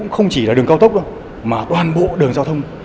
không chỉ là đường cao tốc đâu mà toàn bộ đường giao thông